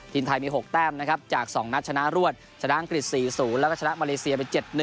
ทีมไทยมี๖แต้มนะครับจาก๒นัดชนะรวดชนะอังกฤษ๔๐แล้วก็ชนะมาเลเซียไป๗๑